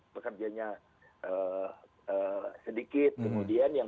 pekerjanya sedikit kemudian yang